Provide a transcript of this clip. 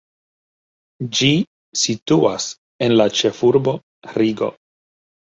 Ĝi situas en la ĉefurbo Rigo.